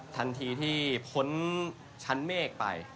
ทันทีที่พ้นชั้นเมฆไป